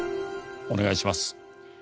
お願いします。